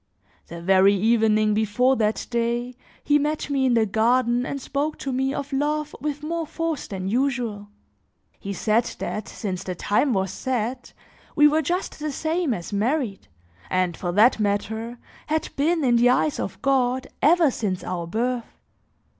The very evening before that day, he met me in the garden and spoke to me of love with more force than usual; he said that, since the time was set, we were just the same as married, and for that matter had been in the eyes of God, ever since our birth.